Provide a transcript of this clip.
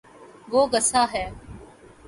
وہ گصاہ ہے